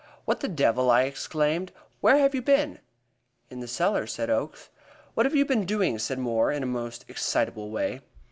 "What the devil!" I exclaimed. "Where have you been?" "In the cellar," said Oakes. "What have you been doing?" said Moore, in a most excitable way.